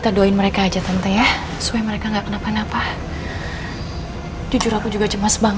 tante khawatir sekali sama alsa